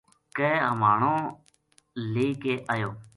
کے ہوانو لے کے آیو